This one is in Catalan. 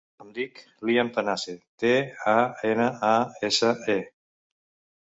Em dic Liam Tanase: te, a, ena, a, essa, e.